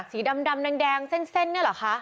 สีดำแดงเส้นเนี่ยเหรอคะ